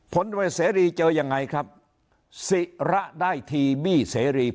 พลวงเศรีเจอยังไงครับศีราได้ทีบี้เศรีรา